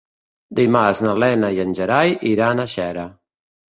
Dimarts na Lena i en Gerai iran a Xera.